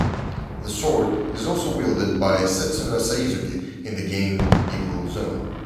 The sword is also wielded by Setsuna Saizuki in the game Evil Zone.